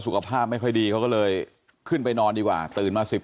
สุขภาพไม่ค่อยดีเขาก็เลยขึ้นไปนอนดีกว่าตื่นมาสิบ